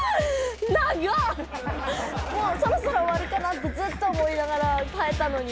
もうそろそろ終わるかな？ってずっと思いながら耐えたのに。